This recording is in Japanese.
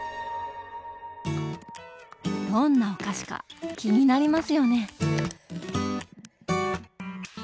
どんなお菓子か気になりますよね！